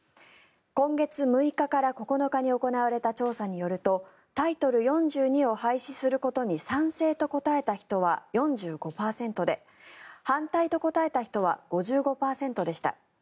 今月６日から９日に行われた調査によるとタイトル４２を廃止することに賛成と答えた人は４５％で反対と答えた人は５５％でした。